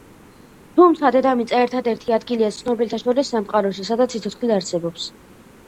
თუმცა, დედამიწა ერთადერთი ადგილია ცნობილთა შორის სამყაროში, სადაც სიცოცხლე არსებობს.